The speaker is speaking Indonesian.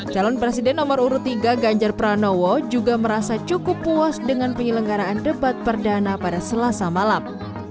calon presiden nomor urut tiga ganjar pranowo juga merasa cukup puas dengan penyelenggaraan debat perdana pada selasa malam